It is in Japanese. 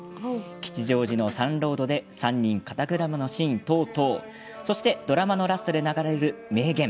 吉祥寺のサンロードで３人肩車のシーン等々そして、ドラマのラストで流れる名言。